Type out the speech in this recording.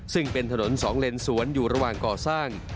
ซึ่งเป็นถนนสองเลนสวนอยู่ระหว่างก่อสร้าง